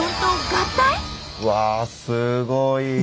うわすごい！